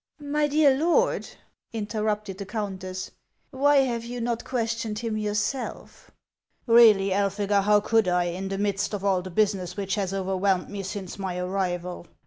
" My dear lord," interrupted the countess, " why have you not questioned him yourself ?" "Keally, Elphega, how could I, in the midst of all the business which has overwhelmed me since my arrival